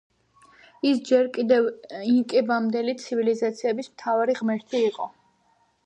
ის ჯერ კიდევ ინკებამდელი ცივილიზაციების მთავარი ღმერთი იყო.